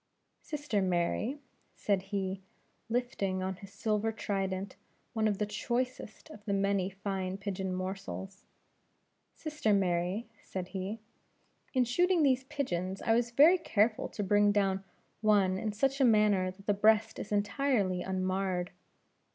"Sister Mary," said he, lifting on his silver trident one of the choicest of the many fine pigeon morsels; "Sister Mary," said he, "in shooting these pigeons, I was very careful to bring down one in such a manner that the breast is entirely unmarred.